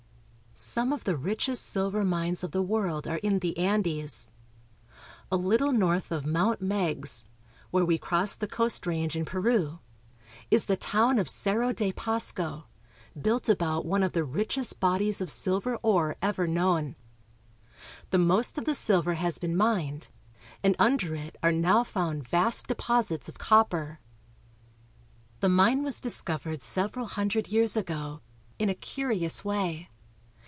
Some of the richest silver mines of the world are in the Andes. A little north of Mount Meiggs, where we crossed the coast range in Peru, is the town of Cerro de Pasco, built about one of the richest bodies of silver ore ever known. The most of the silver has been mined, and under it are now found vast deposits of copper. The mine was discovered several hundred years ago, in a curious way.